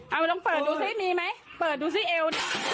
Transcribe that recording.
เอาลงเปิดดูซิมีมั้ยเปิดดูซิเอว